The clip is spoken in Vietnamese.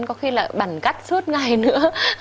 có khi là bằn cắt suốt ngày nữa